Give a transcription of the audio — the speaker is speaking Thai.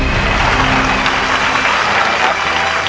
ไม่ใช้ครับ